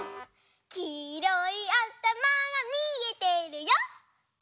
「きいろいあたまがみえてるよ」